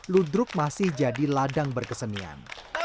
ludruk masih jadi ladang berkesenian